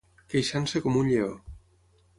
Queixant-se com un lleó.